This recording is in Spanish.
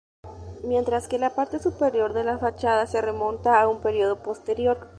Mientras que la parte superior de la fachada se remonta a un período posterior.